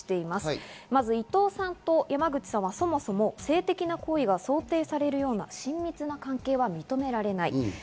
まず伊藤さんと山口さんは、そもそも性的な行為が想定されるような親密な関係は認められない。